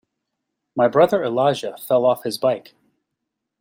My brother Elijah fell off his bike.